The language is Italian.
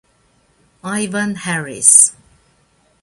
Ivan Harris